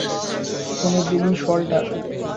তুমি বিলি শোয়ালটার।